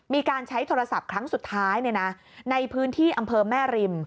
มีการใช้โทรศัพท์ครั้งสุดท้ายในพื้นที่อำเภอแม่ริม